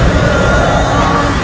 tidak ada masalah